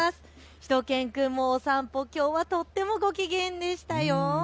しゅと犬くんもお散歩、きょうはとってもご機嫌でしたよ。